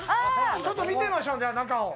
ちょっと見てみましょう、中を。